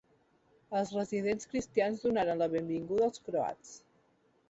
Els residents cristians donaren la benvinguda als croats.